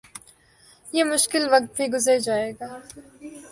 یہ مشکل وقت بھی گزر جائے گا